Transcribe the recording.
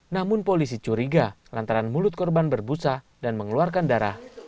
namun polisi curiga lantaran mulut korban berbusa dan mengeluarkan darah